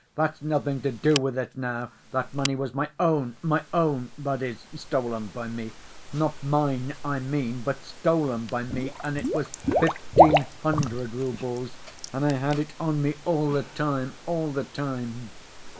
That's nothing to do with it now! That money was my own, my own, that is, stolen by me ... not mine, I mean, but stolen by me, and it was fifteen hundred roubles, and I had it on me all the time, all the time